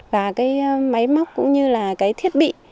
và cái máy móc cũng như là cái thiết bị